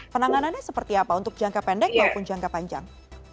penanganannya seperti apa untuk jangka pendek maupun jangka panjang